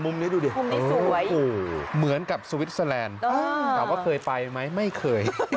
มุมนี้ดูดิเหมือนกับสวิทซีแลนด์เขาก็เคยไปไหมไม่เคย